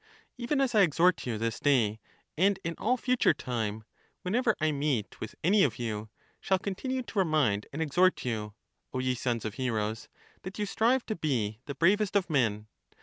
Even as I exhort you this day, and in all future time, whenever I meet with any of you, shall continue to remind and exhort you, O ye sons of heroes, that you strive to be the bravest of men.